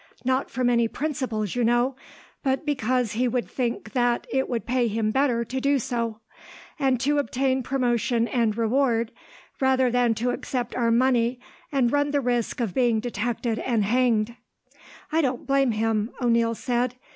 Not from any principle, you know, but because he would think that it would pay him better to do so, and so obtain promotion and reward, rather than to accept our money and run the risk of being detected and hanged." "I don't blame him," O'Neil said.